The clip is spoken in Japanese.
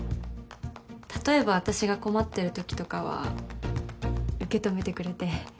例えばあたしが困ってるときとかは受け止めてくれて。